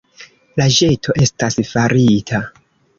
La ĵeto estas farita.